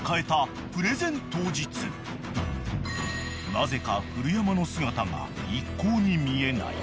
［なぜか古山の姿が一向に見えない］